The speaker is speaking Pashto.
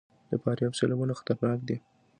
د فاریاب سیلابونه خطرناک دي